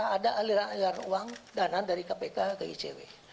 ada aliran uang danan dari kpk ke icw